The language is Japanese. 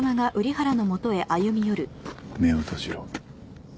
目を閉じろ。